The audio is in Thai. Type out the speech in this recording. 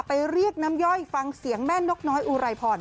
เรียกน้ำย่อยฟังเสียงแม่นกน้อยอุไรพร